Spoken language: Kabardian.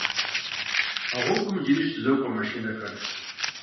А гъуэгум иджыри щызокӏуэ машинэхэр.